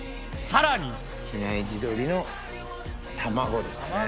さらに比内地鶏の卵ですね。